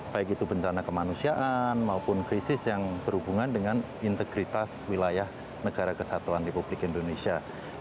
baik itu bencana kemanusiaan maupun krisis yang berhubungan dengan integritas wilayah negara kesatuan republik indonesia